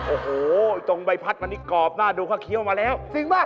โอ้โฮตรงใบพัดมันนี่กรอบน่ะดูข้าวเคี้ยวมาแล้วจริงป่ะ